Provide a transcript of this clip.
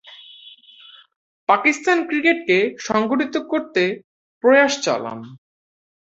পাকিস্তান ক্রিকেটকে সংগঠিত করতে প্রয়াস চালান।